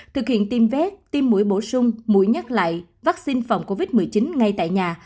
thực hiện tiêm vé tiêm mũi bổ sung mũi nhắc lại vắc xin phòng covid một mươi chín ngay tại nhà